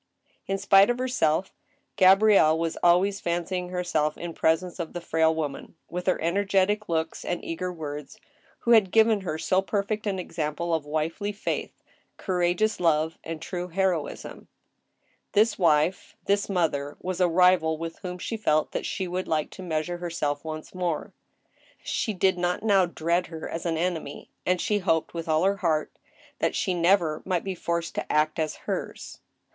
In spite of herself, Gabrielle was always fancying herself in pres ence of the frail woman, with her energetic looks and eager words, who had given her so perfect an example of wifely faith, courageous love, and true heroism. This wife, this mother, was a rival with whom she felt that she would like to measure herself once more. She did not now dread her as an enemy, and she hoped with all her heart that she never might be forced to act as hers.